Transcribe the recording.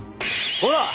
ほら！